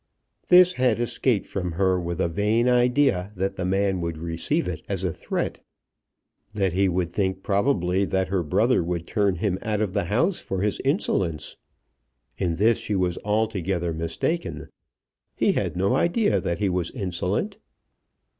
This had escaped from her with a vain idea that the man would receive it as a threat, that he would think probably that her brother would turn him out of the house for his insolence. In this she was altogether mistaken. He had no idea that he was insolent.